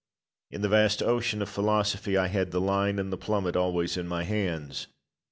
In the vast ocean of philosophy I had the line and the plummet always in my hands.